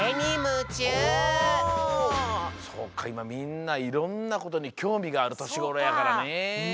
そうかいまみんないろんなことにきょうみがあるとしごろやからね。